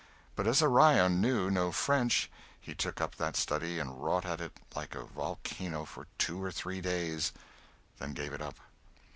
But as Orion knew no French, he took up that study and wrought at it like a volcano for two or three days; then gave it up.